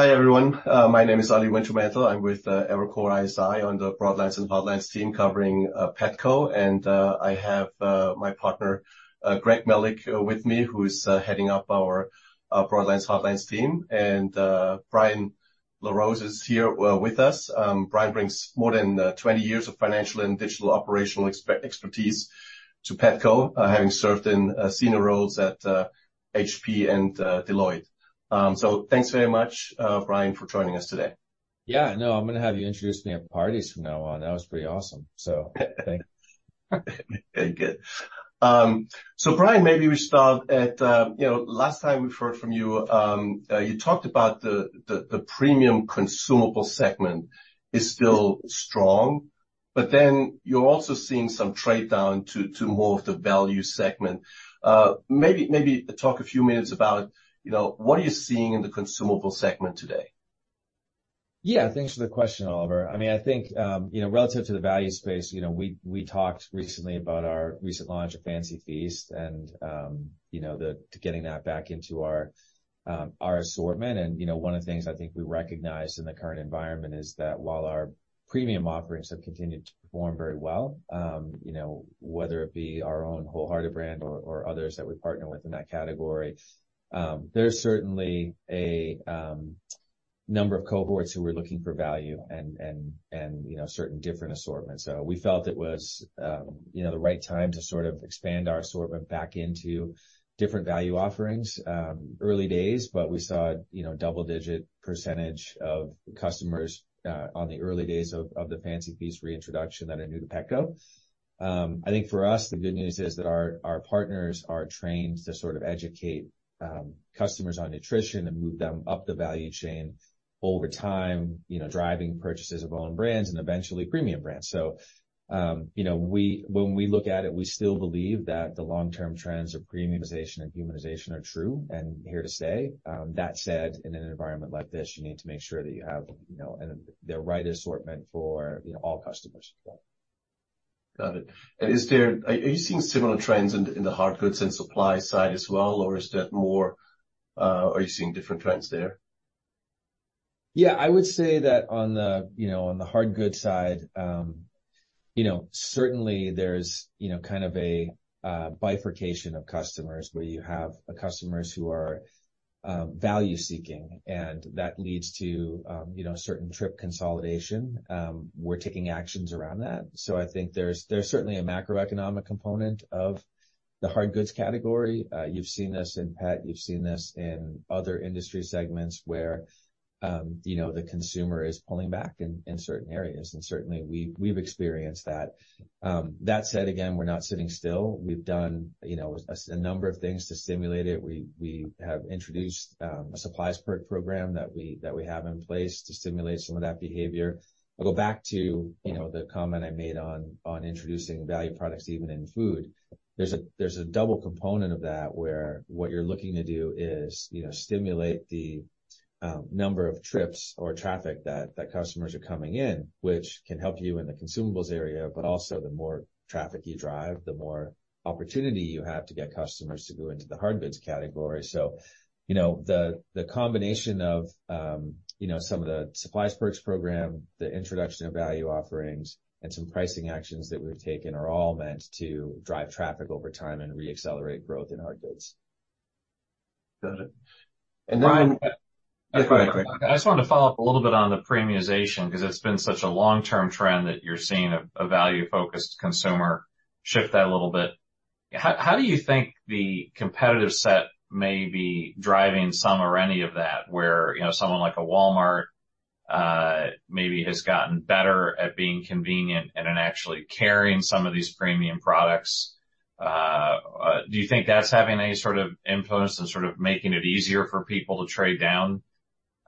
Hi, everyone. My name is Oliver Wintermantel. I'm with Evercore ISI on the Broadlines and Hardlines team, covering Petco. I have my partner, Greg Melich, with me, who is heading up our Broadlines, Hardlines team, and Brian LaRose is here with us. Brian brings more than 20 years of financial and digital operational expertise to Petco, having served in senior roles at HP and Deloitte. Thanks very much, Brian, for joining us today. Yeah, no, I'm going to have you introduce me at parties from now on. That was pretty awesome, so thanks. Good. So Brian, maybe we start at, you know, last time we've heard from you, you talked about the premium consumable segment is still strong, but then you're also seeing some trade down to more of the value segment. Maybe talk a few minutes about, you know, what are you seeing in the consumable segment today? Yeah, thanks for the question, Oliver. I mean, I think, you know, relative to the value space, you know, we talked recently about our recent launch of Fancy Feast and, you know, to getting that back into our assortment. You know, one of the things I think we recognized in the current environment is that while our premium offerings have continued to perform very well, you know, whether it be our own WholeHearted brand or others that we partner with in that category, there's certainly a number of cohorts who are looking for value and, you know, certain different assortments. We felt it was the right time to sort of expand our assortment back into different value offerings. Early days, but we saw, you know, double-digit percentage of customers on the early days of the Fancy Feast reintroduction that are new to Petco. I think for us, the good news is that our partners are trained to sort of educate customers on nutrition and move them up the value chain over time, you know, driving purchases of own brands and eventually premium brands. So, you know, when we look at it, we still believe that the long-term trends of premiumization and humanization are true and here to stay. That said, in an environment like this, you need to make sure that you have, you know, the right assortment for, you know, all customers. Got it. Is there. Are you seeing similar trends in the hard goods and supply side as well, or is that more, are you seeing different trends there? Yeah, I would say that on the, you know, on the hard goods side, you know, certainly there's, you know, kind of a bifurcation of customers, where you have customers who are, you know, value seeking, and that leads to, you know, certain trip consolidation. We're taking actions around that. I think there's certainly a macroeconomic component of the hard goods category. You've seen this in pet, you've seen this in other industry segments where, you know, the consumer is pulling back in certain areas, and certainly we've experienced that. That said, again, we're not sitting still. We've done, you know, a number of things to stimulate it. We have introduced a supplies perk program that we have in place to stimulate some of that behavior. I'll go back to, you know, the comment I made on, on introducing value products, even in food. There's a, there's a double component of that, where what you're looking to do is, you know, stimulate the number of trips or traffic that, that customers are coming in, which can help you in the consumables area, but also the more traffic you drive, the more opportunity you have to get customers to go into the hard goods category. So, you know, the, the combination of, you know, some of the supplies perks program, the introduction of value offerings, and some pricing actions that we've taken, are all meant to drive traffic over time and reaccelerate growth in hard goods. Got it. And then. Brian. Yeah, go ahead, Greg. I just wanted to follow up a little bit on the premiumization, 'cause it's been such a long-term trend that you're seeing a, a value-focused consumer shift that a little bit. How do you think the competitive set may be driving some or any of that, where, you know, someone like a Walmart, maybe has gotten better at being convenient and in actually carrying some of these premium products? Do you think that's having any sort of influence and sort of making it easier for people to trade down,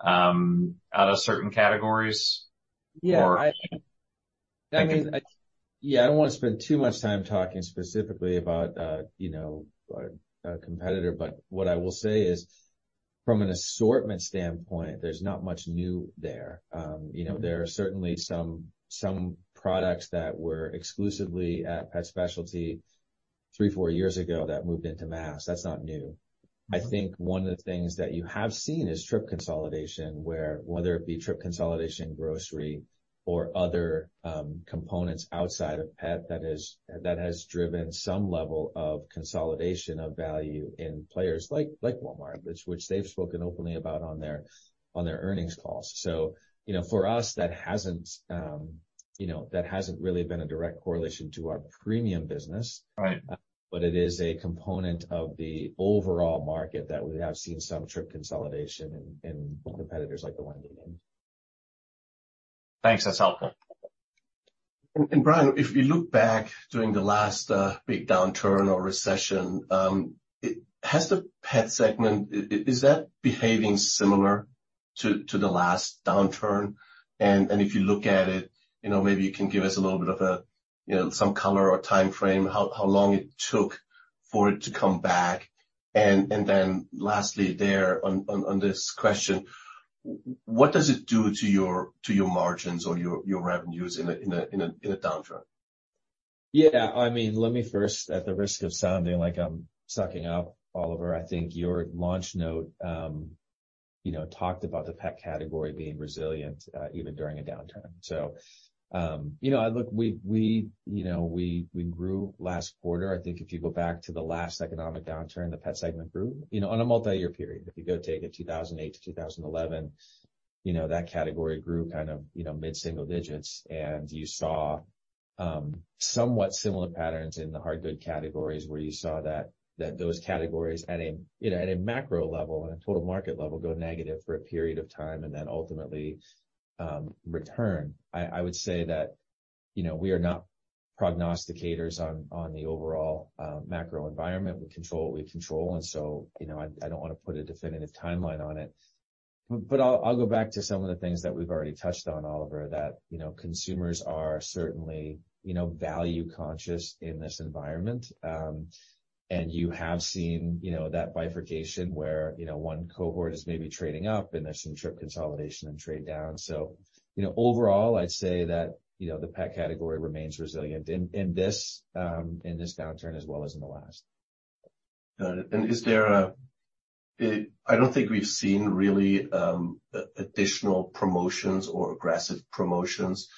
out of certain categories, or? Yeah, I- I mean- Yeah, I don't want to spend too much time talking specifically about, you know, a competitor, but what I will say is, from an assortment standpoint, there's not much new there. You know, there are certainly some products that were exclusively at pet specialty three, four years ago that moved into mass. That's not new. I think one of the things that you have seen is trip consolidation, where whether it be trip consolidation, grocery, or other components outside of pet, that has driven some level of consolidation of value in players like Walmart, which they've spoken openly about on their earnings calls. So, you know, for us, that hasn't really been a direct correlation to our premium business. Right. But it is a component of the overall market that we have seen some trip consolidation in competitors like the one you named. Thanks. That's helpful. And, Brian, if you look back during the last big downturn or recession, has the pet segment, is that behaving similar to the last downturn? And, if you look at it, you know, maybe you can give us a little bit of a, you know, some color or timeframe, how long it took for it to come back. And, then lastly there, on this question, what does it do to your margins or your revenues in a downturn? Yeah, I mean, let me first, at the risk of sounding like I'm sucking up, Oliver, I think your launch note, you know, talked about the pet category being resilient, even during a downturn. So, you know, look, we grew last quarter. I think if you go back to the last economic downturn, the pet segment grew, you know, on a multi-year period. If you go take a 2008 to 2011, you know, that category grew kind of, you know, mid-single digits, and you saw, somewhat similar patterns in the hard good categories, where you saw that those categories at a, you know, at a macro level, at a total market level, go negative for a period of time and then ultimately, return. I would say that, you know, we are not prognosticators on the overall macro environment. We control what we control, and so, you know, I don't want to put a definitive timeline on it. But I'll go back to some of the things that we've already touched on, Oliver, that, you know, consumers are certainly, you know, value-conscious in this environment. And you have seen, you know, that bifurcation where, you know, one cohort is maybe trading up and there's some trip consolidation and trade down. So, you know, overall, I'd say that, you know, the pet category remains resilient in this downturn as well as in the last. Got it. And is there a. I don't think we've seen really additional promotions or aggressive promotions.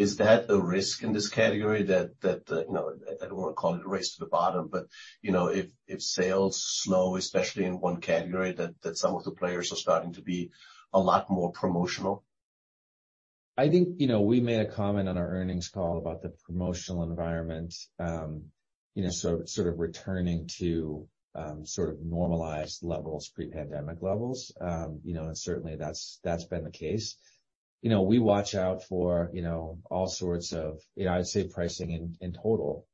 Is that a risk in this category that you know, I don't want to call it a race to the bottom, but you know, if sales slow, especially in one category, that some of the players are starting to be a lot more promotional? I think, you know, we made a comment on our earnings call about the promotional environment, you know, sort of returning to normalized levels, pre-pandemic levels. You know, and certainly that's been the case. You know, we watch out for, you know, all sorts of, you know, I'd say, pricing in total.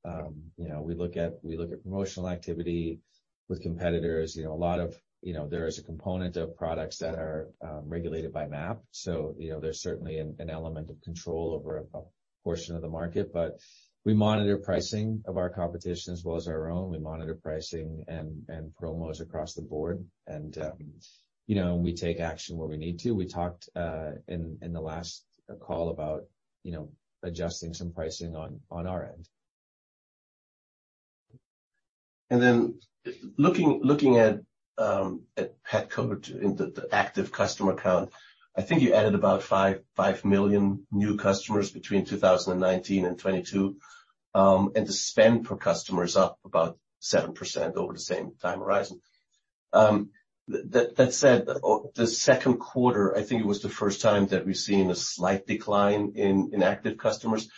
You know, we look at promotional activity with competitors. You know, there is a component of products that are regulated by MAP, so you know, there's certainly an element of control over a portion of the market. But we monitor pricing of our competition as well as our own. We monitor pricing and promos across the board, and, you know, we take action where we need to. We talked in the last call about, you know, adjusting some pricing on our end. And then looking at Petco in the active customer count, I think you added about 5 million new customers between 2019 and 2022. And the spend per customer is up about 7% over the same time horizon. That said, the second quarter, I think it was the first time that we've seen a slight decline in active customers.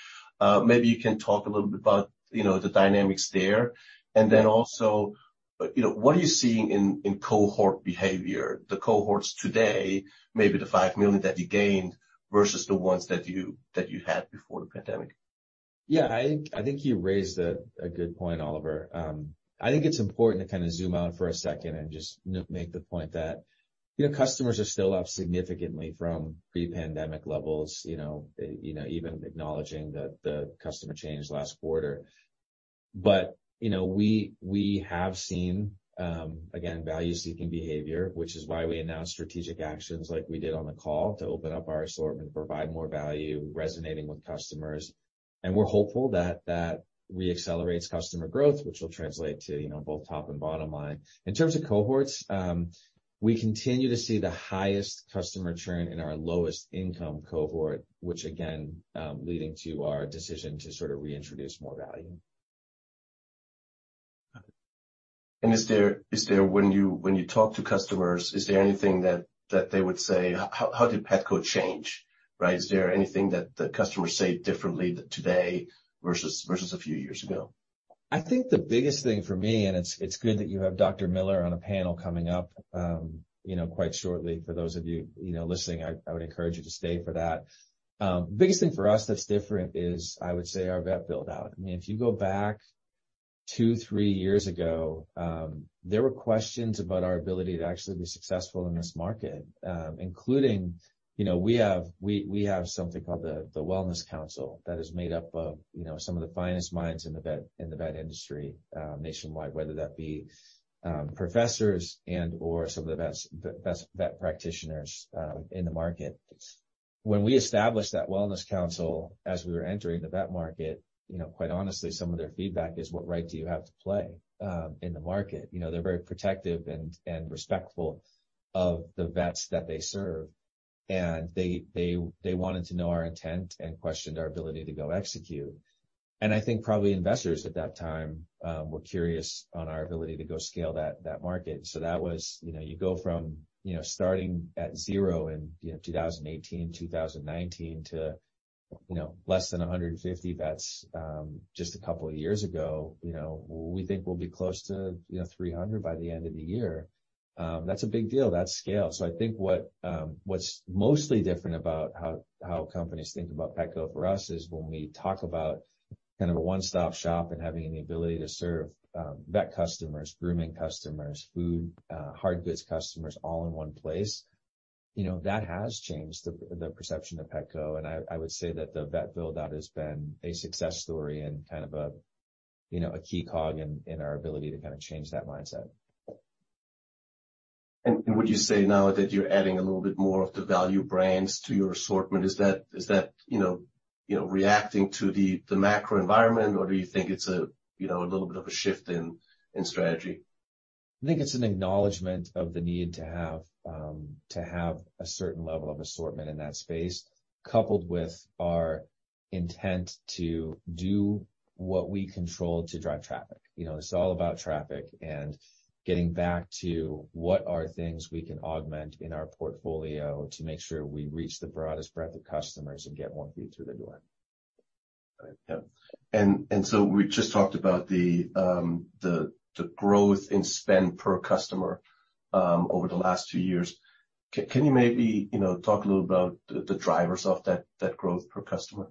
Maybe you can talk a little bit about, you know, the dynamics there. And then also, you know, what are you seeing in cohort behavior? The cohorts today, maybe the five million that you gained, versus the ones that you had before the pandemic. Yeah, I think you raised a good point, Oliver. I think it's important to kind of zoom out for a second and just make the point that, you know, customers are still up significantly from pre-pandemic levels, you know, even acknowledging the customer change last quarter. But, you know, we have seen, again, value-seeking behavior, which is why we announced strategic actions like we did on the call, to open up our assortment, provide more value, resonating with customers. And we're hopeful that that reaccelerates customer growth, which will translate to, you know, both top and bottom line. In terms of cohorts, we continue to see the highest customer churn in our lowest income cohort, which again, leading to our decision to sort of reintroduce more value. Is there, when you talk to customers, is there anything that they would say, "How did Petco change?" Right? Is there anything that the customers say differently today versus a few years ago? I think the biggest thing for me, and it's, it's good that you have Dr. Miller on a panel coming up, you know, quite shortly. For those of you, you know, listening, I would encourage you to stay for that. The biggest thing for us that's different is, I would say, our vet build-out. I mean, if you go back two, three years ago, there were questions about our ability to actually be successful in this market. Including, you know, we have something called the Wellness Council that is made up of, you know, some of the finest minds in the vet industry, nationwide, whether that be, professors and/or some of the best vet practitioners in the market. When we established that Wellness Council, as we were entering the vet market, you know, quite honestly, some of their feedback is, What right do you have to play in the market? You know, they're very protective and respectful of the vets that they serve, and they wanted to know our intent and questioned our ability to go execute. And I think probably investors at that time were curious on our ability to go scale that market. So that was, you know, you go from, you know, starting at zero in, you know, 2018, 2019, to, you know, less than 150 vets just a couple of years ago. You know, we think we'll be close to, you know, 300 by the end of the year. That's a big deal. That's scale. So I think what's mostly different about how companies think about Petco for us is when we talk about kind of a one-stop shop and having the ability to serve vet customers, grooming customers, food, hard goods customers, all in one place, you know, that has changed the perception of Petco. And I would say that the vet build-out has been a success story and kind of a, you know, a key cog in our ability to kind of change that mindset. Would you say now that you're adding a little bit more of the value brands to your assortment, is that, is that, you know, you know, reacting to the macro environment, or do you think it's a, you know, a little bit of a shift in strategy? I think it's an acknowledgement of the need to have, to have a certain level of assortment in that space, coupled with our intent to do what we control to drive traffic. You know, this is all about traffic and getting back to what are things we can augment in our portfolio to make sure we reach the broadest breadth of customers and get more feet through the door. All right. Yeah. And so we just talked about the growth in spend per customer over the last two years. Can you maybe, you know, talk a little about the drivers of that growth per customer?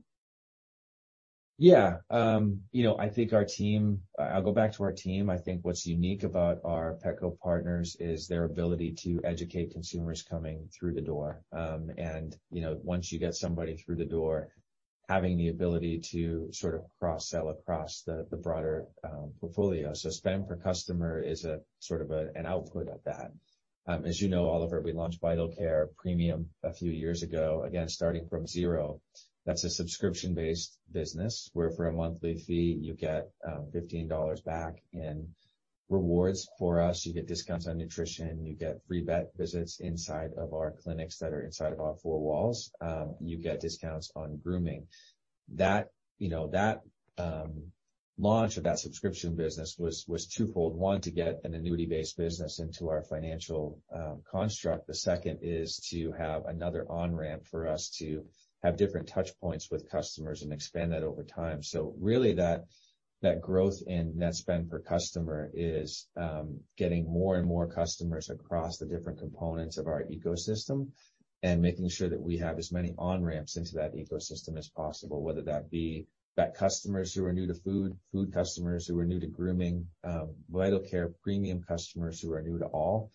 Yeah. You know, I think our team, I, I'll go back to our team. I think what's unique about our Petco partners is their ability to educate consumers coming through the door. And, you know, once you get somebody through the door, having the ability to sort of cross-sell across the broader portfolio. So spend per customer is a sort of an output of that. As you know, Oliver, we launched Vital Care Premier a few years ago, again, starting from zero. That's a subscription-based business, where for a monthly fee, you get $15 back in rewards. For us, you get discounts on nutrition, you get free vet visits inside of our clinics that are inside of our four walls, you get discounts on grooming. That, you know, that launch of that subscription business was, was twofold. One, to get an annuity-based business into our financial construct. The second is to have another on-ramp for us to have different touch points with customers and expand that over time. So really, that growth in net spend per customer is getting more and more customers across the different components of our ecosystem, and making sure that we have as many on-ramps into that ecosystem as possible, whether that be vet customers who are new to food, food customers who are new to grooming, Vital Care Premier customers who are new to all,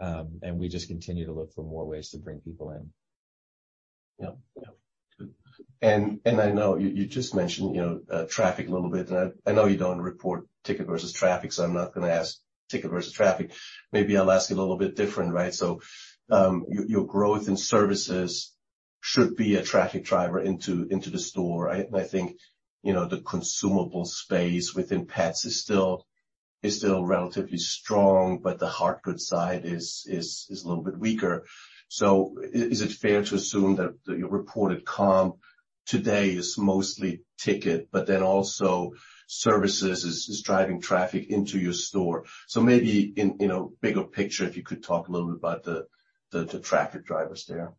and we just continue to look for more ways to bring people in. Yeah. Yeah. Good. And I know you just mentioned, you know, traffic a little bit, and I know you don't report ticket versus traffic, so I'm not going to ask ticket versus traffic. Maybe I'll ask it a little bit different, right? So your growth in services should be a traffic driver into the store, right? And I think, you know, the consumable space within pets is still relatively strong, but the hard goods side is a little bit weaker. So is it fair to assume that your reported comp today is mostly ticket, but then also services is driving traffic into your store? So maybe in a bigger picture, if you could talk a little bit about the traffic drivers there.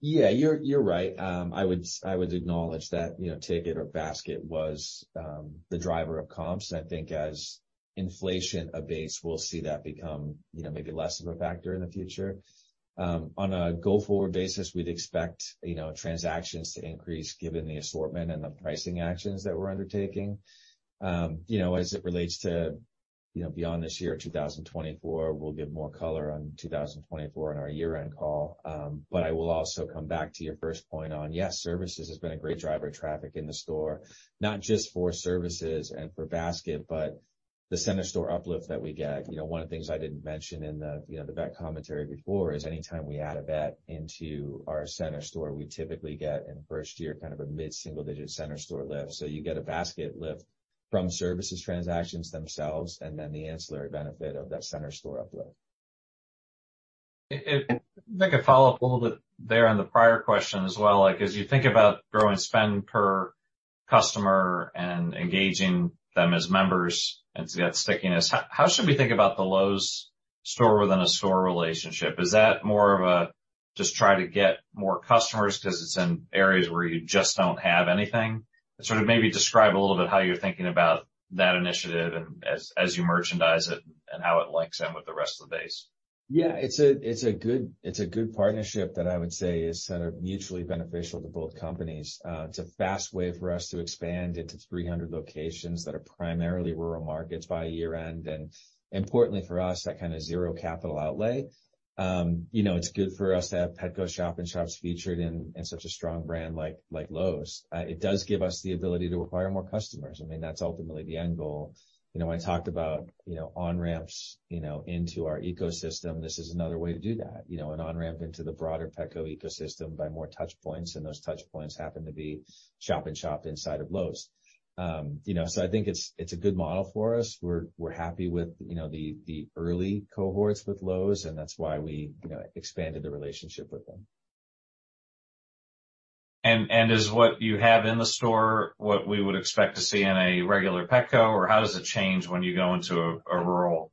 Yeah, you're right. I would acknowledge that, you know, ticket or basket was the driver of comps. I think as inflation abates, we'll see that become, you know, maybe less of a factor in the future. On a go-forward basis, we'd expect, you know, transactions to increase given the assortment and the pricing actions that we're undertaking. You know, as it relates to, you know, beyond this year, 2024, we'll give more color on 2024 in our year-end call. But I will also come back to your first point on, yes, services has been a great driver of traffic in the store, not just for services and for basket, but the center store uplift that we get. You know, one of the things I didn't mention in the, you know, the vet commentary before is anytime we add a vet into our center store, we typically get, in first year, kind of a mid-single-digit center store lift. So you get a basket lift from services transactions themselves, and then the ancillary benefit of that center store uplift. If I could follow up a little bit there on the prior question as well, like, as you think about growing spend per customer and engaging them as members and to get stickiness, how, how should we think about the Lowe's store-within-a-store relationship? Is that more of a, just try to get more customers because it's in areas where you just don't have anything? Sort of maybe describe a little bit how you're thinking about that initiative and as, as you merchandise it, and how it links in with the rest of the base. Yeah, it's a good partnership that I would say is sort of mutually beneficial to both companies. It's a fast way for us to expand into 300 locations that are primarily rural markets by year-end. Importantly for us, that kind of zero capital outlay. You know, it's good for us to have Petco shop-in-shops featured in such a strong brand like Lowe's. It does give us the ability to acquire more customers. I mean, that's ultimately the end goal. You know, I talked about, you know, on-ramps, you know, into our ecosystem. This is another way to do that, you know, an on-ramp into the broader Petco ecosystem by more touch points, and those touch points happen to be shop-in-shop inside of Lowe's. You know, so I think it's a good model for us. We're happy with, you know, the early cohorts with Lowe's, and that's why we, you know, expanded the relationship with them. Is what you have in the store what we would expect to see in a regular Petco, or how does it change when you go into a rural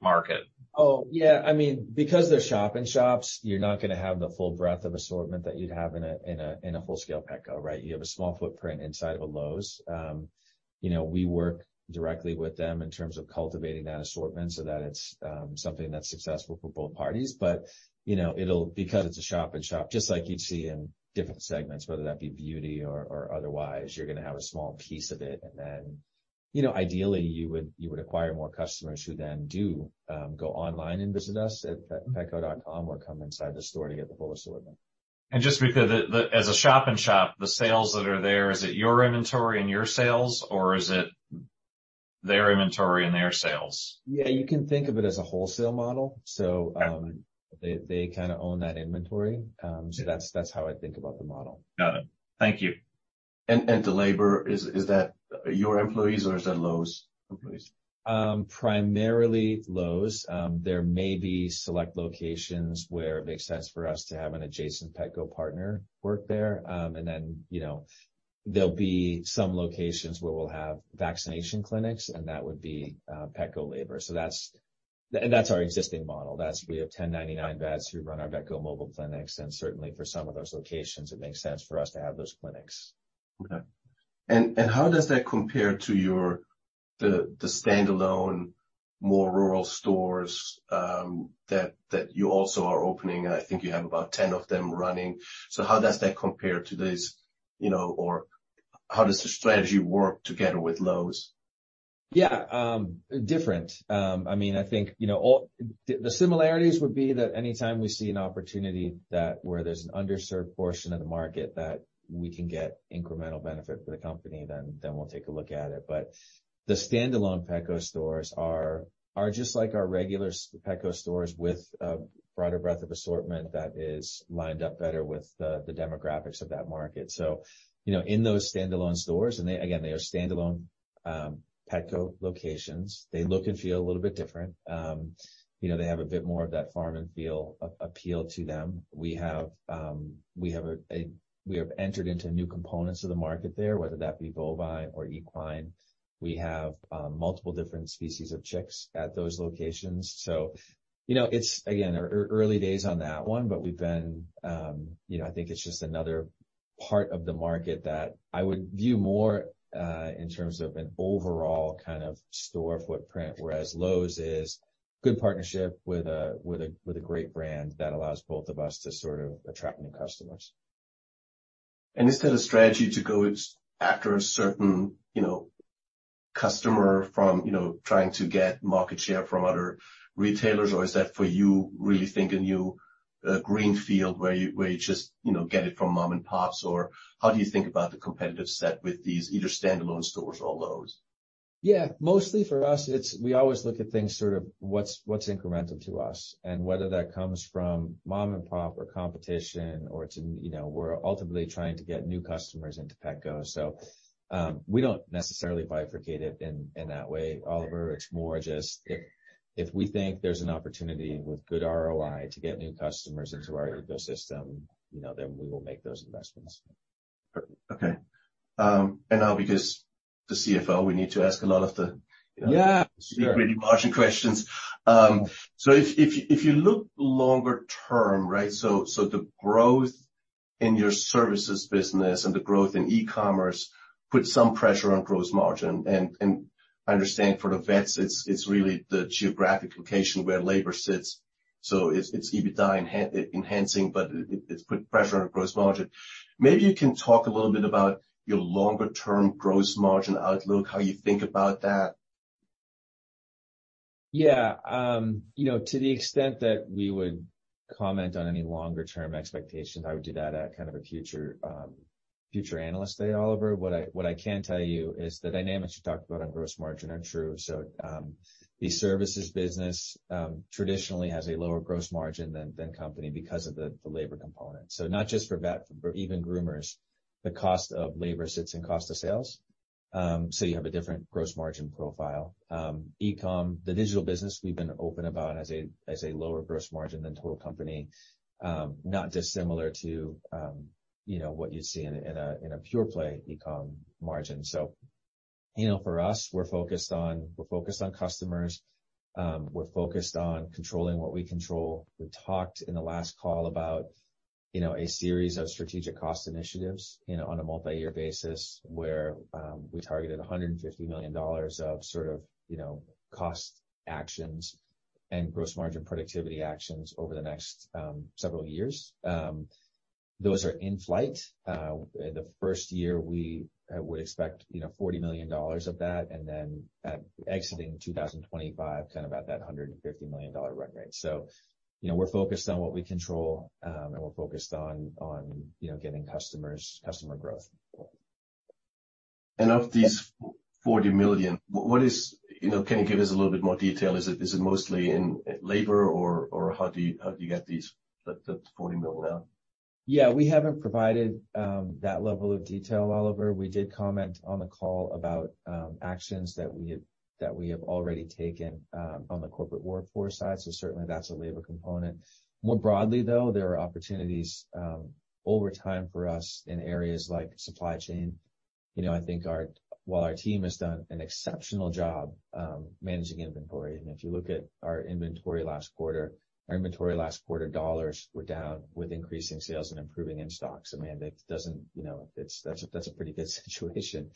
market? Oh, yeah. I mean, because they're shop-in-shops, you're not going to have the full breadth of assortment that you'd have in a full-scale Petco, right? You have a small footprint inside of a Lowe's. You know, we work directly with them in terms of cultivating that assortment so that it's something that's successful for both parties. You know, it'll, because it's a shop-in-shop, just like you'd see in different segments, whether that be beauty or otherwise, you're going to have a small piece of it. You know, ideally, you would acquire more customers who then do go online and visit us at petco.com or come inside the store to get the full assortment. Just because, as a shop-in-shop, the sales that are there, is it your inventory and your sales, or is it their inventory and their sales? Yeah, you can think of it as a wholesale model. So, they kind of own that inventory. So that's how I think about the model. Got it. Thank you. The labor, is that your employees or is that Lowe's employees? Primarily Lowe's. There may be select locations where it makes sense for us to have an adjacent Petco partner work there. And then, you know, there'll be some locations where we'll have vaccination clinics, and that would be Petco labor. So that's, and that's our existing model. That's, we have 1099 vets who run our Petco mobile clinics, and certainly for some of those locations, it makes sense for us to have those clinics. Okay. How does that compare to your, the standalone, more rural stores that you also are opening? I think you have about 10 of them running. How does that compare to this, you know, or how does the strategy work together with Lowe's? Yeah, different. I mean, I think, you know, all the similarities would be that anytime we see an opportunity where there's an underserved portion of the market that we can get incremental benefit for the company, then we'll take a look at it. But the standalone Petco stores are just like our regular Petco stores with a broader breadth of assortment that is lined up better with the demographics of that market. So, you know, in those standalone stores, and they, again, they are standalone Petco locations. They look and feel a little bit different. You know, they have a bit more of that farm-and-feel appeal to them. We have entered into new components of the market there, whether that be bovine or equine. We have multiple different species of chicks at those locations. So, you know, it's, again, early days on that one, but we've been, you know, I think it's just another part of the market that I would view more in terms of an overall kind of store footprint, whereas Lowe's is good partnership with a great brand that allows both of us to sort of attract new customers. Is that a strategy to go after a certain, you know, customer from, you know, trying to get market share from other retailers? Or is that for you, really think a new, greenfield, where you, where you just, you know, get it from mom-and-pops? Or how do you think about the competitive set with these either standalone stores or Lowe's? Yeah, mostly for us, it's, we always look at things sort of what's incremental to us, and whether that comes from mom-and-pop or competition, or it's in, you know, we're ultimately trying to get new customers into Petco. We don't necessarily bifurcate it in that way, Oliver. It's more just if we think there's an opportunity with good ROI to get new customers into our ecosystem, you know, then we will make those investments. Okay. And now, because the CFO, we need to ask a lot of the. Yeah, sure. Pretty margin questions. If you look longer term, right? So the growth in your services business and the growth in e-commerce put some pressure on gross margin. And I understand for the vets, it's really the geographic location where labor sits. So it's EBITDA enhancing, but it's put pressure on gross margin. Maybe you can talk a little bit about your longer-term gross margin outlook, how you think about that. Yeah. You know, to the extent that we would comment on any longer-term expectations, I would do that at kind of a future, future analyst day, Oliver. What I, what I can tell you is the dynamics you talked about on gross margin are true. So, the services business, traditionally has a lower gross margin than, than company because of the, the labor component. So not just for vet, for even groomers, the cost of labor sits in cost of sales. So you have a different gross margin profile. E-com, the digital business we've been open about has a, has a lower gross margin than total company, not dissimilar to, you know, what you'd see in a, in a, in a pure play e-com margin. So, you know, for us, we're focused on, we're focused on customers, we're focused on controlling what we control. We talked in the last call about, you know, a series of strategic cost initiatives, you know, on a multi-year basis, where, we targeted $150 million of sort of, you know, cost actions and gross margin productivity actions over the next, several years. Those are in flight. The first year, we would expect, you know, $40 million of that, and then, exiting 2025, kind of at that $150 million run rate. So, you know, we're focused on what we control, and we're focused on, on, you know, getting customers, customer growth. Of these $40 million, what is, you know, can you give us a little bit more detail? Is it, is it mostly in labor or, or how do you, how do you get these, the, the $40 million down? Yeah, we haven't provided that level of detail, Oliver. We did comment on the call about actions that we have already taken on the corporate workforce side, so certainly that's a labor component. More broadly, though, there are opportunities over time for us in areas like supply chain. You know, I think while our team has done an exceptional job managing inventory, and if you look at our inventory last quarter dollars were down with increasing sales and improving in stocks. I mean, it doesn't, you know, that's a pretty good situation.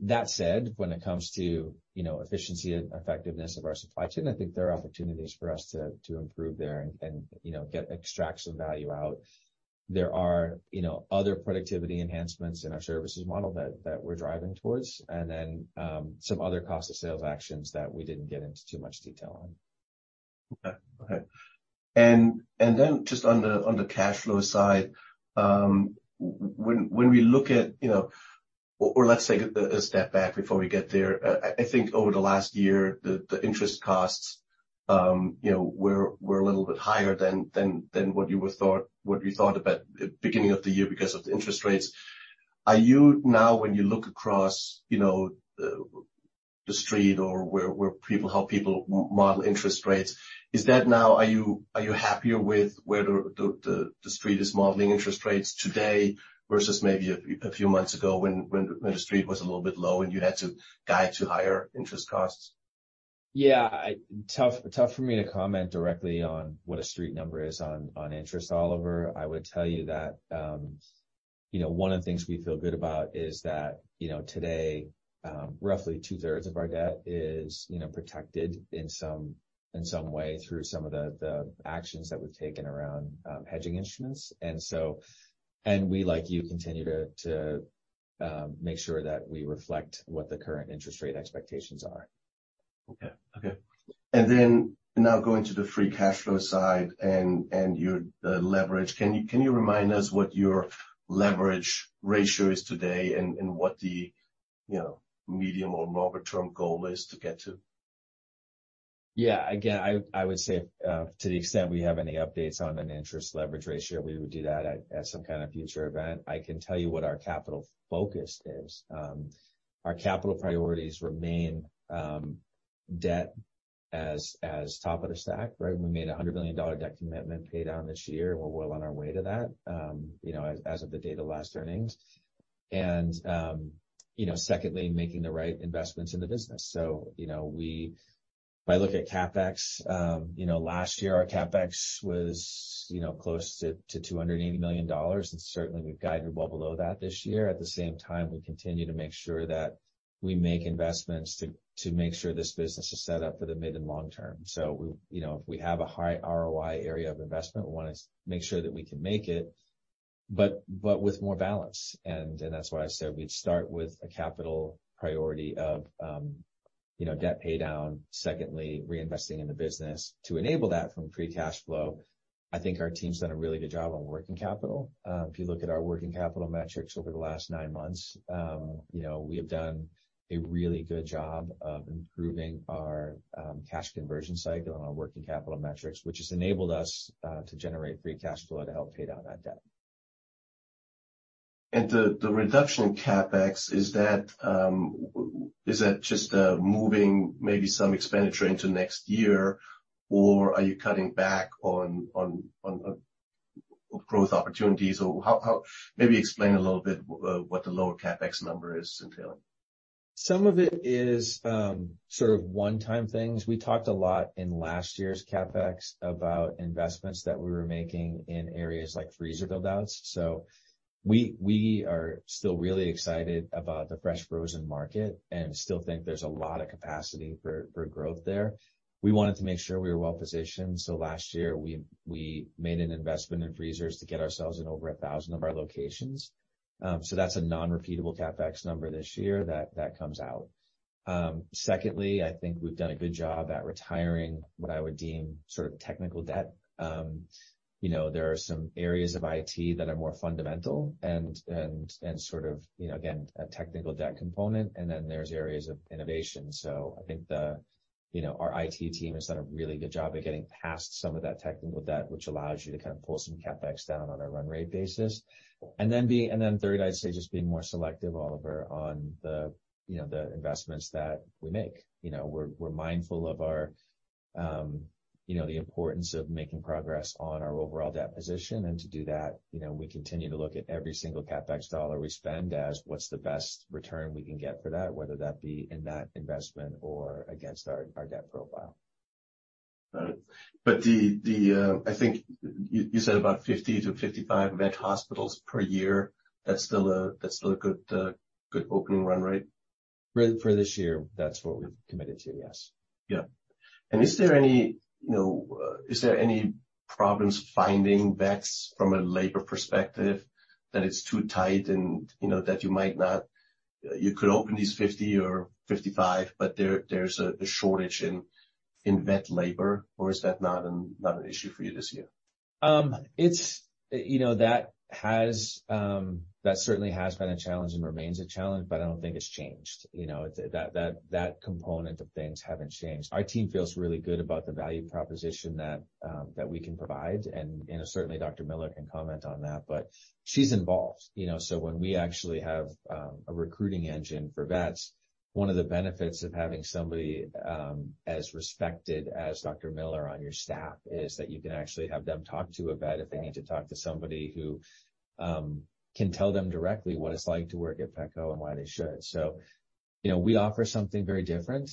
That said, when it comes to, you know, efficiency and effectiveness of our supply chain, I think there are opportunities for us to improve there and, you know, extract some value out. There are, you know, other productivity enhancements in our services model that we're driving towards, and then some other cost of sales actions that we didn't get into too much detail on. Okay, okay. And then just on the cash flow side, when we look at, you know, let's take a step back before we get there. I think over the last year, the interest costs, you know, were a little bit higher than what you thought about at the beginning of the year because of the interest rates. Are you now, when you look across the street or where people model interest rates, happier with where the street is modeling interest rates today versus maybe a few months ago when the street was a little bit low, and you had to guide to higher interest costs? Yeah, tough for me to comment directly on what a street number is on interest, Oliver. I would tell you that one of the things we feel good about is that today, roughly two-thirds of our debt is protected in some way through some of the actions that we've taken around hedging instruments. And so we, like you, continue to make sure that we reflect what the current interest rate expectations are. Okay. Okay. And then now going to the free cash flow side and your leverage. Can you remind us what your leverage ratio is today and what the, you know, medium or longer-term goal is to get to? Yeah, again, I would say to the extent we have any updates on an interest leverage ratio, we would do that at some kind of future event. I can tell you what our capital focus is. Our capital priorities remain debt as top of the stack, right? We made a $100 billion debt commitment pay down this year, and we're well on our way to that, you know, as of the date of last earnings. And you know, secondly, making the right investments in the business. So, you know, if I look at CapEx, you know, last year, our CapEx was, you know, close to $280 million, and certainly, we've guided well below that this year. At the same time, we continue to make sure that we make investments to make sure this business is set up for the mid and long term. So we, you know, if we have a high ROI area of investment, we want to make sure that we can make it, but with more balance. And that's why I said we'd start with a capital priority of, you know, debt paydown. Secondly, reinvesting in the business. To enable that from free cash flow, I think our team's done a really good job on working capital. If you look at our working capital metrics over the last nine months, you know, we have done a really good job of improving our cash conversion cycle and our working capital metrics, which has enabled us to generate free cash flow to help pay down that debt. And the reduction in CapEx, is that just moving maybe some expenditure into next year, or are you cutting back on growth opportunities? Or how maybe explain a little bit what the lower CapEx number is entailing. Some of it is sort of one-time things. We talked a lot in last year's CapEx about investments that we were making in areas like freezer buildouts. So we are still really excited about the fresh frozen market and still think there's a lot of capacity for growth there. We wanted to make sure we were well-positioned, so last year we made an investment in freezers to get ourselves in over 1,000 of our locations. So that's a non-repeatable CapEx number this year, that comes out. Secondly, I think we've done a good job at retiring what I would deem sort of technical debt. You know, there are some areas of IT that are more fundamental and sort of, you know, again, a technical debt component, and then there's areas of innovation. So I think the, you know, our IT team has done a really good job of getting past some of that technical debt, which allows you to kind of pull some CapEx down on a run rate basis. And then B, and then third, I'd say just being more selective, Oliver, on the, you know, the investments that we make. You know, we're mindful of our, you know, the importance of making progress on our overall debt position. And to do that, you know, we continue to look at every single CapEx dollar we spend as what's the best return we can get for that, whether that be in that investment or against our debt profile. Got it. But the, I think you said about 50-55 vet hospitals per year, that's still a good opening run rate? For this year, that's what we've committed to, yes. Yeah. Is there any, you know, problems finding vets from a labor perspective, that it's too tight and, you know, that you might not. You could open these 50 or 55, but there, there's a shortage in vet labor, or is that not an issue for you this year? It's, you know, that certainly has been a challenge and remains a challenge, but I don't think it's changed. You know, that component of things haven't changed. Our team feels really good about the value proposition that we can provide, and certainly Dr. Miller can comment on that, but she's involved. You know, so when we actually have a recruiting engine for vets, one of the benefits of having somebody as respected as Dr. Miller on your staff is that you can actually have them talk to a vet if they need to talk to somebody who can tell them directly what it's like to work at Petco and why they should. So, you know, we offer something very different.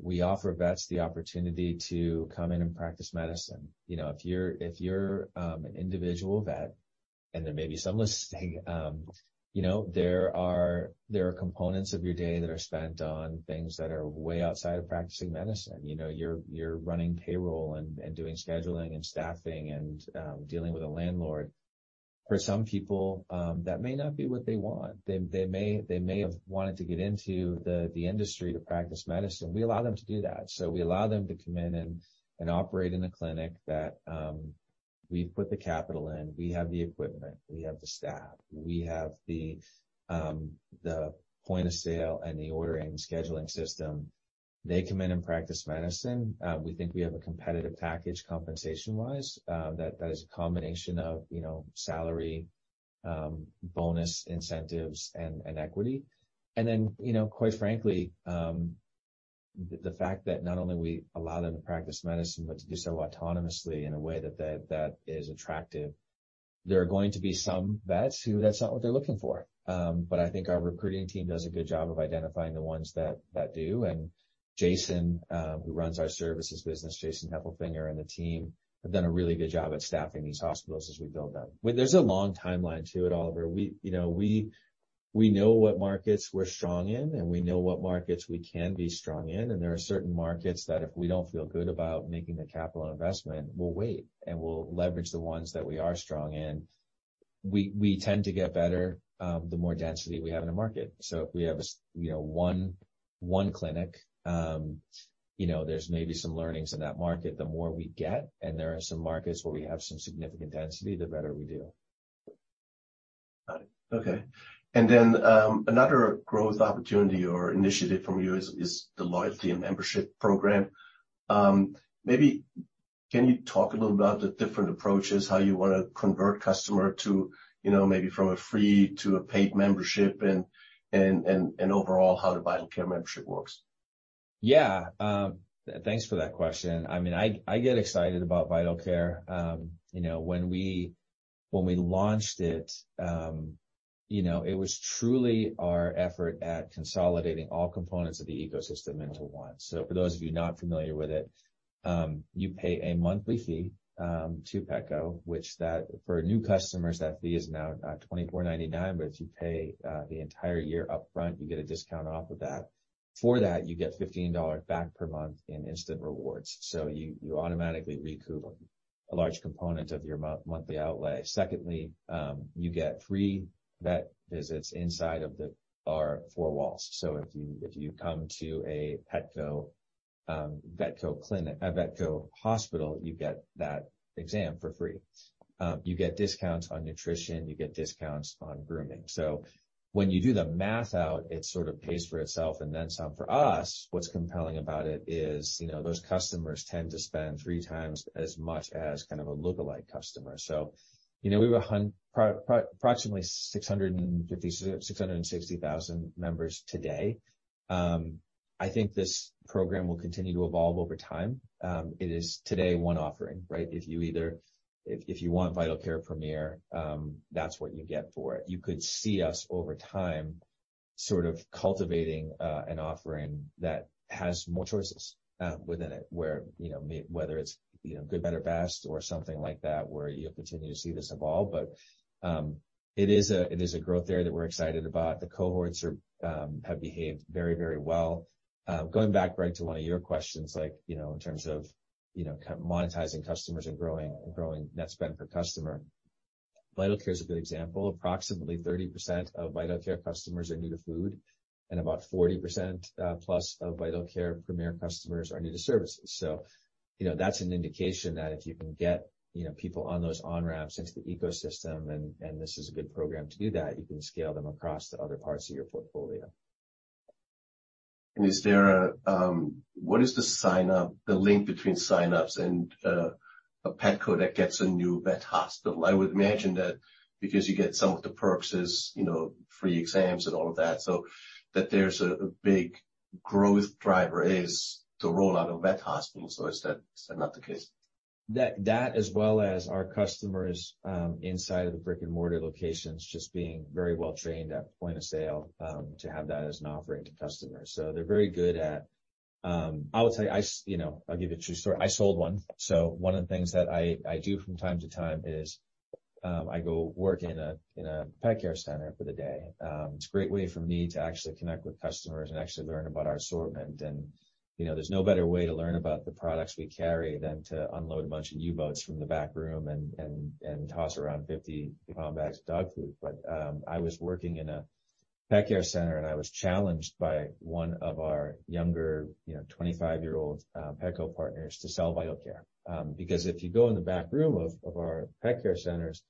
We offer vets the opportunity to come in and practice medicine. You know, if you're an individual vet, and there may be some listening, you know, there are components of your day that are spent on things that are way outside of practicing medicine. You know, you're running payroll and doing scheduling and staffing and dealing with a landlord. For some people, that may not be what they want. They may have wanted to get into the industry to practice medicine. We allow them to do that. So we allow them to come in and operate in a clinic that we've put the capital in, we have the equipment, we have the staff, we have the point of sale and the ordering scheduling system. They come in and practice medicine. We think we have a competitive package, compensation-wise, that is a combination of, you know, salary, bonus incentives and equity. And then, you know, quite frankly, the fact that not only we allow them to practice medicine, but to do so autonomously in a way that is attractive. There are going to be some vets who that's not what they're looking for. I think our recruiting team does a good job of identifying the ones that do. Jason, who runs our services business, Jason Heffelfinger, and the team have done a really good job at staffing these hospitals as we build them. Well, there's a long timeline, too, at Oliver. We, you know, we know what markets we're strong in, and we know what markets we can be strong in, and there are certain markets that if we don't feel good about making the capital investment, we'll wait, and we'll leverage the ones that we are strong in. We tend to get better the more density we have in a market. So if we have, you know, one clinic, you know, there's maybe some learnings in that market, the more we get, and there are some markets where we have some significant density, the better we do. Got it. Okay. And then, another growth opportunity or initiative from you is the loyalty and membership program. Maybe can you talk a little about the different approaches, how you want to convert customer to, you know, maybe from a free to a paid membership, and overall, how the Vital Care membership works? Yeah, thanks for that question. I mean, I get excited about Vital Care. You know, when we launched it, you know, it was truly our effort at consolidating all components of the ecosystem into one. So for those of you not familiar with it, you pay a monthly fee to Petco, which that for new customers, that fee is now $24.99, but if you pay the entire year upfront, you get a discount off of that. For that, you get $15 back per month in instant rewards, so you automatically recoup a large component of your monthly outlay. Secondly, you get free vet visits inside of our four walls. So if you come to a Petco, Vetco clinic, a Vetco hospital, you get that exam for free. You get discounts on nutrition, you get discounts on grooming. So when you do the math out, it sort of pays for itself and then some. For us, what's compelling about it is, you know, those customers tend to spend three times as much as kind of a lookalike customer. So, you know, we have approximately 650, 660,000 members today. I think this program will continue to evolve over time. It is today one offering, right? If you want Vital Care Premier, that's what you get for it. You could see us over time, sort of cultivating an offering that has more choices within it, where, you know, whether it's, you know, good, better, best or something like that, where you'll continue to see this evolve. But, it is a, it is a growth area that we're excited about. The cohorts have behaved very, very well. Going back, Greg, to one of your questions, like, you know, in terms of, you know, kind of monetizing customers and growing, and growing net spend per customer. Vital Care is a good example. Approximately 30% of Vital Care customers are new to food, and about 40%, plus of Vital Care Premier customers are new to services. So, you know, that's an indication that if you can get, you know, people on those on-ramps into the ecosystem, and, and this is a good program to do that, you can scale them across to other parts of your portfolio. Is there a, what is the sign-up, the link between sign-ups and a Petco that gets a new vet hospital? I would imagine that because you get some of the perks is, you know, free exams and all of that, so that there's a big growth driver is the rollout of vet hospitals, or is that, is that not the case? That, that as well as our customers, inside of the brick-and-mortar locations, just being very well trained at point of sale, to have that as an offering to customers. So they're very good at. I would say, you know, I'll give you a true story. I sold one. So one of the things that I do from time to time is, I go work in a pet care center for the day. It's a great way for me to actually connect with customers and actually learn about our assortment. And, you know, there's no better way to learn about the products we carry than to unload a bunch of U-boats from the back room and toss around 50-pound bags of dog food. But I was working in a pet care center, and I was challenged by one of our younger, you know, 25-year-old Petco partners to sell Vital Care. Because if you go in the back room of our pet care centers,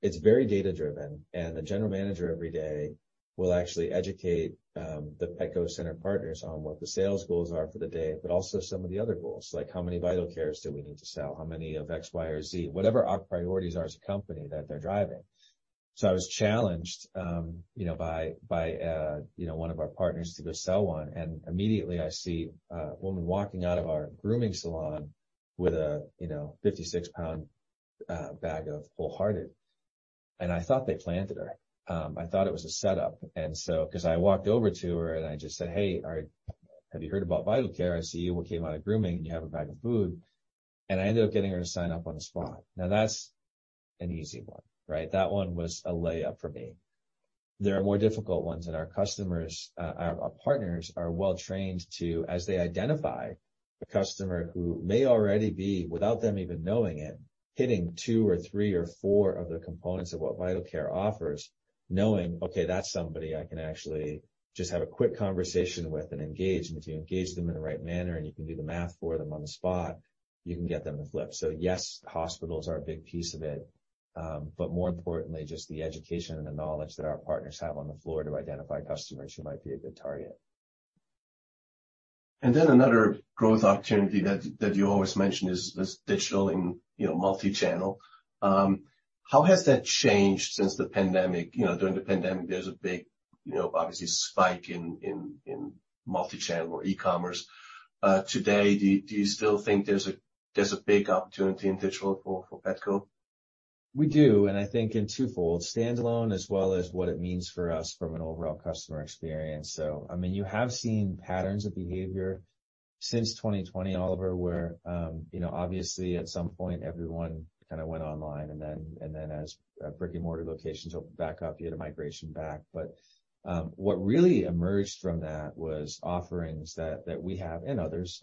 it's very data-driven, and the general manager every day will actually educate the Petco center partners on what the sales goals are for the day, but also some of the other goals, like how many Vital Cares do we need to sell? How many of X, Y, or Z? Whatever our priorities are as a company, that they're driving. So I was challenged, you know, by one of our partners to go sell one, and immediately I see a woman walking out of our grooming salon with a, you know, 56-pound bag of WholeHearted. I thought they planted her. I thought it was a setup, and so because I walked over to her, and I just said, "Hey, all right, have you heard about Vital Care? I see you came out of grooming, and you have a bag of food." I ended up getting her to sign up on the spot. Now, that's an easy one, right? That one was a layup for me. There are more difficult ones, and our customers, our, our partners are well-trained to, as they identify a customer who may already be, without them even knowing it, hitting two or three or four of the components of what Vital Care offers, knowing, okay, that's somebody I can actually just have a quick conversation with and engage. If you engage them in the right manner, and you can do the math for them on the spot, you can get them to flip. So yes, hospitals are a big piece of it, but more importantly, just the education and the knowledge that our partners have on the floor to identify customers who might be a good target. And then another growth opportunity that you always mention is digital and, you know, multi-channel. How has that changed since the pandemic? You know, during the pandemic, there's a big, you know, obviously spike in multi-channel or e-commerce. Today, do you still think there's a big opportunity in digital for Petco? We do, and I think in twofold, standalone as well as what it means for us from an overall customer experience. I mean, you have seen patterns of behavior since 2020, Oliver, where, you know, obviously at some point, everyone kind of went online, and then as brick-and-mortar locations opened back up, you had a migration back. What really emerged from that was offerings that we have and others,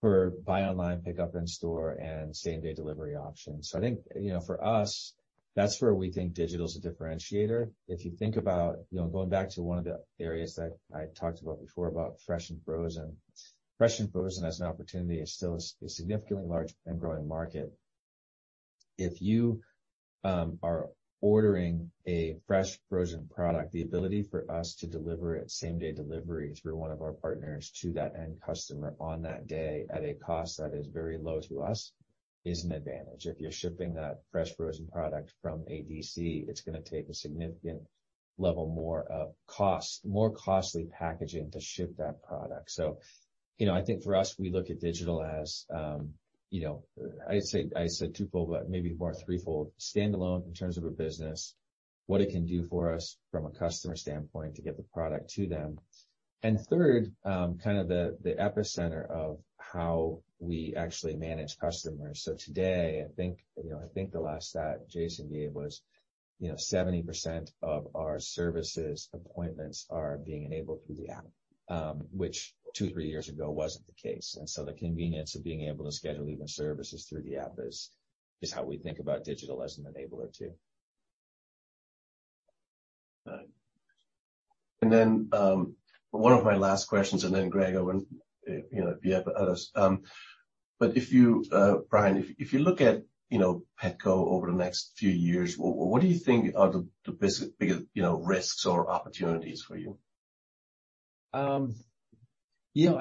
for buy online, pickup in store, and same-day delivery options. I think, you know, for us, that's where we think digital is a differentiator. If you think about, you know, going back to one of the areas that I talked about before, about fresh and frozen. Fresh and frozen as an opportunity is still a significantly large and growing market. If you are ordering a fresh frozen product, the ability for us to deliver it same-day delivery through one of our partners to that end customer on that day, at a cost that is very low to us, is an advantage. If you're shipping that fresh frozen product from ADC, it's going to take a significant level more of cost, more costly packaging to ship that product. So, you know, I think for us, we look at digital as, you know, I'd say. I said twofold, but maybe more threefold. Standalone in terms of a business, what it can do for us from a customer standpoint to get the product to them. And third, kind of the epicenter of how we actually manage customers. So today, I think, you know, I think the last stat Jason gave was, you know, 70% of our services appointments are being enabled through the app, which two, three years ago wasn't the case. And so the convenience of being able to schedule even services through the app is, is how we think about digital as an enabler, too. And then, one of my last questions, and then, Greg, I will, you know, if you have others. But if you, Brian, if you look at, you know, Petco over the next few years, what do you think are the biggest, you know, risks or opportunities for you? You know,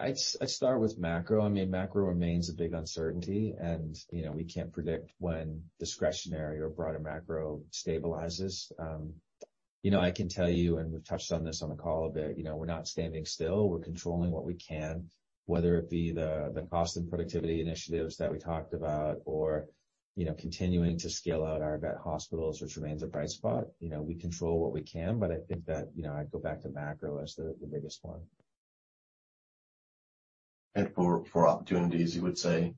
I'd start with macro. I mean, macro remains a big uncertainty, and, you know, we can't predict when discretionary or broader macro stabilizes. You know, I can tell you, and we've touched on this on the call a bit, you know, we're not standing still. We're controlling what we can, whether it be the cost and productivity initiatives that we talked about or, you know, continuing to scale out our vet hospitals, which remains a bright spot. You know, we control what we can, but I think that, you know, I'd go back to macro as the biggest one. For opportunities, you would say,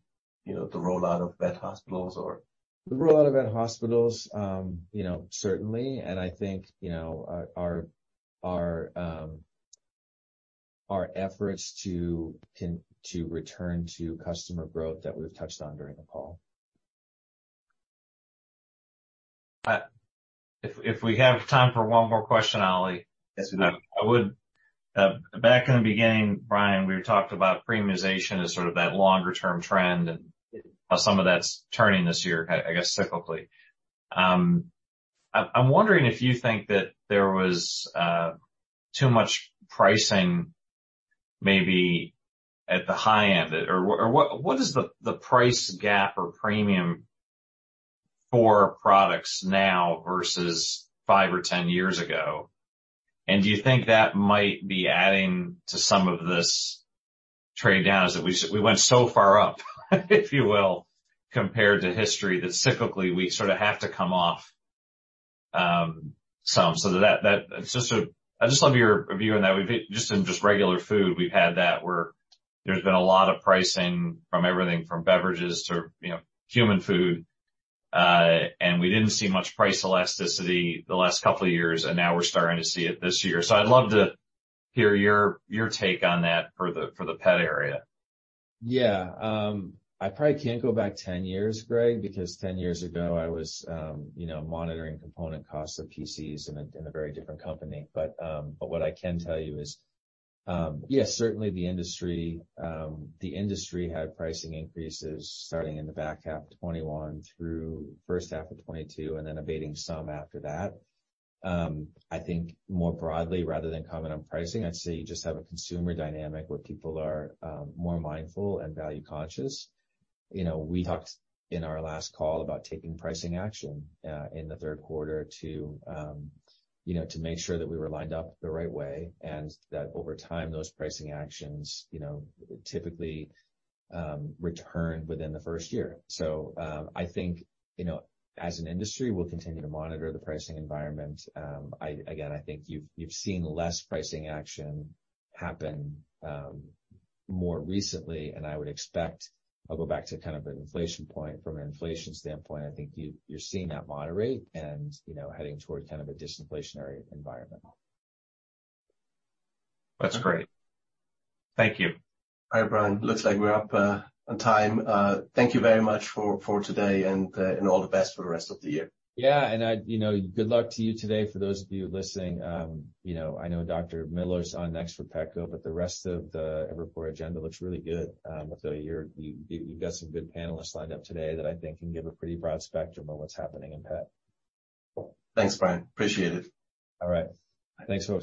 you know, the rollout of vet hospitals or? The rollout of vet hospitals, you know, certainly, and I think, you know, our efforts to return to customer growth that we've touched on during the call. If we have time for one more question, Oli. Yes, we do. I would back in the beginning, Brian, we talked about premiumization as sort of that longer-term trend and how some of that's turning this year, I guess, cyclically. I'm wondering if you think that there was too much pricing maybe at the high end or what is the price gap or premium for products now versus five or 10 years ago? And do you think that might be adding to some of this trade downs that we went so far up, if you will, compared to history, that cyclically, we sort of have to come off some. So that it's just a. I'd just love your view on that. We've, just in just regular food, we've had that, where there's been a lot of pricing from everything from beverages to, you know, human food, and we didn't see much price elasticity the last couple of years, and now we're starting to see it this year. So I'd love to hear your, your take on that for the, for the pet area. Yeah. I probably can't go back 10 years, Greg, because 10 years ago I was, you know, monitoring component costs of PCs in a, in a very different company. But, but what I can tell you is, yes, certainly the industry, the industry had pricing increases starting in the back half of 2021, through H1 of 2022, and then abating some after that. I think more broadly, rather than comment on pricing, I'd say you just have a consumer dynamic where people are, more mindful and value conscious. You know, we talked in our last call about taking pricing action, in the third quarter to, you know, to make sure that we were lined up the right way, and that over time, those pricing actions, you know, typically, return within the first year. So, I think, you know, as an industry, we'll continue to monitor the pricing environment. Again, I think you've seen less pricing action happen, more recently, and I would expect, I'll go back to kind of an inflation point, from an inflation standpoint, I think you're seeing that moderate and, you know, heading towards kind of a disinflationary environment. That's great. Thank you. All right, Brian, looks like we're up on time. Thank you very much for today and all the best for the rest of the year. Yeah, and you know, good luck to you today. For those of you listening, you know, I know Dr. Miller is on next for Petco, but the rest of the report agenda looks really good. So you've got some good panelists lined up today that I think can give a pretty broad spectrum of what's happening in pet. Thanks, Brian. Appreciate it. All right. Thanks, everyone.